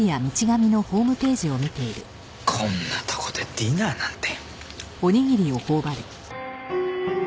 こんなとこでディナーなんて。